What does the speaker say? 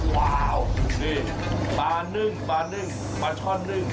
ว้าวนี่ปลานึ่งปลาชอดนึ่ง